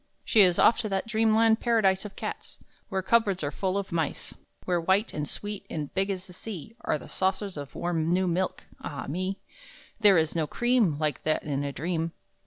She is off to that dream land paradise Of cats, where cupboards are full of mice; Where white and sweet and big as the sea Are the saucers of warm new milk ah me, There is no cream Like that in a dream!